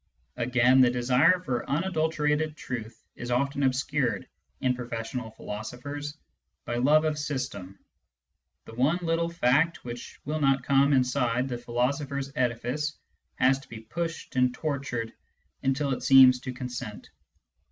Again the desire for unadulterated truth is often obscured, in professional philosophers, by love of system : the one little fact which will not come inside the philosopher's edifice has to be pushed and tortured until it seems to consent.